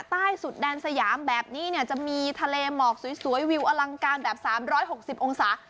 ใต้สุดแดนสยามแบบนี้เนี่ยจะมีทะเลหมอกสวยวิวอลังการแบบ๓๖๐องศา